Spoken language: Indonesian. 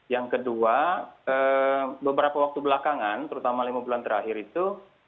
yang kedua beberapa waktu belakangan terutama lima bulan terakhir itu